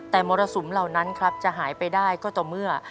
แต่มรสุมเหล่านั้นครับจะหายไปได้ก็ต่อเมื่อ